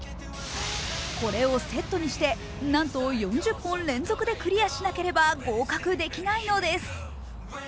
これをセットにしてなんと４０本連続でクリアしなければ合格できないのです。